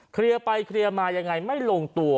เคลียร์ไปเคลียร์มายังไงไม่ลงตัว